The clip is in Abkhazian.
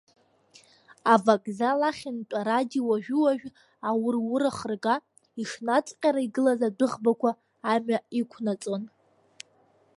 Авокзал ахьынтә арадио уажәы-уажәы аур-ур ахырга, ишнаҵҟьара игылаз адәыӷбақәа амҩа иқәнаҵон.